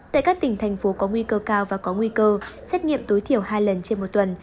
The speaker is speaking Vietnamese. tại các tỉnh thành phố có nguy cơ cao và có nguy cơ xét nghiệm tối thiểu hai lần trên một tuần